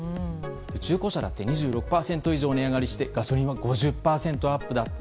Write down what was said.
中古車だって２６％以上値上がりしてガソリンは５０％アップ。